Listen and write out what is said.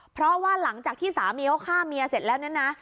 เพราะว่าหลังจากที่สามีเขาฆ่าเมียเสร็จแล้วเนี่ยนะ